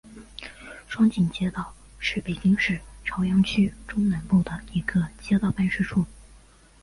双井街道是北京市朝阳区中南部的一个街道办事处。